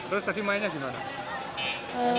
terus tadi mainnya gimana